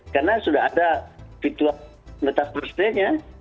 karena sudah ada virtual metaverse nya